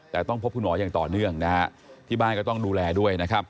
แต่ต้องพบคุณหมออย่างต่อเนื่องนะฮะที่บ้านก็ต้องดูแลด้วยนะครับ